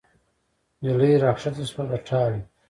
نجلۍ را کښته شوه د ټاله